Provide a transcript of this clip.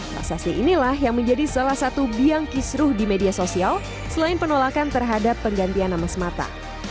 prasasti inilah yang menjadi salah satu biang kisruh di media sosial selain penolakan terhadap penggantian nama semata